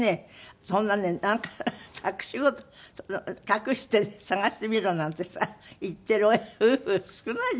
そんなねなんか隠し事隠して探してみろなんてさ言っている夫婦少ない。